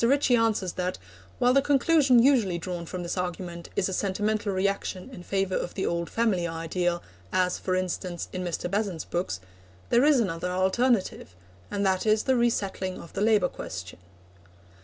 Ritchie answers that, while the conclusion usually drawn from this argument is a sentimental reaction in favour of the old family ideal, as, for instance, in Mr. Besant's books, there is another alternative, and that is the resettling of the labour question.